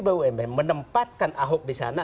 bumn menempatkan ahok di sana